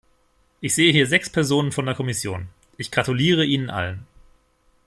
Ich sehe hier sechs Personen von der Kommission. Ich gratuliere Ihnen allen.